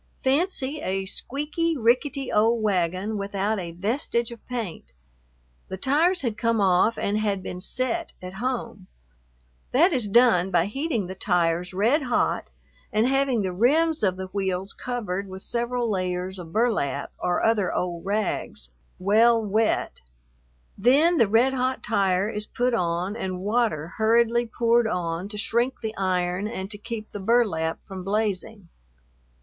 Fancy a squeaky, rickety old wagon without a vestige of paint. The tires had come off and had been "set" at home; that is done by heating the tires red hot and having the rims of the wheels covered with several layers of burlap, or other old rags, well wet; then the red hot tire is put on and water hurriedly poured on to shrink the iron and to keep the burlap from blazing.